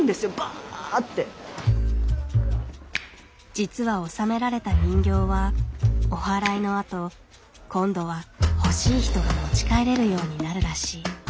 実は納められた人形はおはらいのあと今度は欲しい人が持ち帰れるようになるらしい。